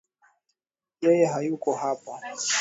Yeye hayuko hapa \